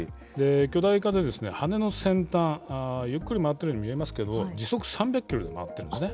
巨大化で、羽根の先端、ゆっくり回っているように見えますけれども、時速３００キロで回っているんですね。